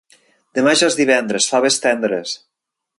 Demà ja és divendres: faves tendres!